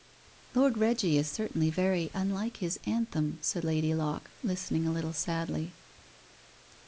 "Lord Reggie is certainly very unlike his anthem," said Lady Locke, listening a little sadly.